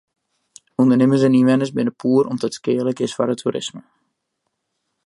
Undernimmers en ynwenners binne poer om't it skealik is foar it toerisme.